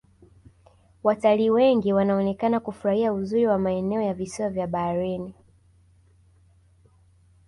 watalii wengi wanaonekana kufurahia uzuri wa maeneo ya visiwa vya baharini